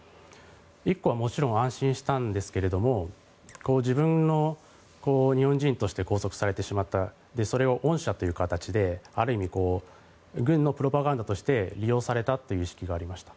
１個はもちろん安心したんですが自分の日本人として拘束されてしまったそれを恩赦という形で、ある意味軍のプロパガンダとして利用されたという意識がありました。